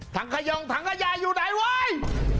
ทางขยองทางขยายอยู่ไหนเว้ย